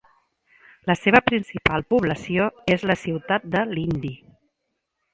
La seva principal població és la ciutat de Lindi.